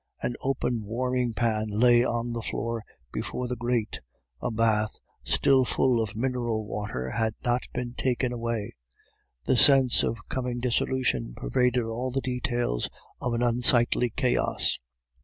An open warming pan lay on the floor before the grate; a bath, still full of mineral water had not been taken away. The sense of coming dissolution pervaded all the details of an unsightly chaos.